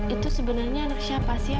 itu sebenernya anak siapa sih ya